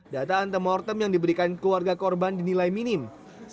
data antemortem yang diberikan keluarga korban dinilai minim